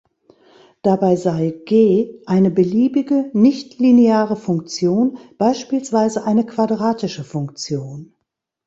Dabei sei "g" eine beliebige nichtlineare Funktion, beispielsweise eine Quadratische Funktion.